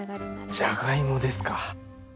じゃがいもですか。